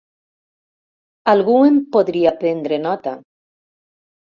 Algú en podria prendre nota.